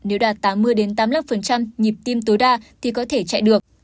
nếu đạt tám mươi tám mươi năm nhịp tim tối đa thì có thể chạy được